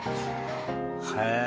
へえ。